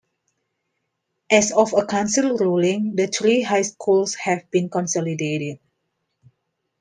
As of a council ruling, the three high schools have been consolidated.